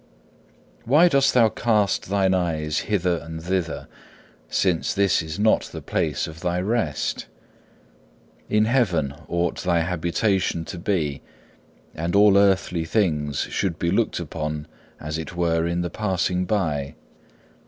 4. Why dost thou cast thine eyes hither and thither, since this is not the place of thy rest? In heaven ought thy habitation to be, and all earthly things should be looked upon as it were in the passing by.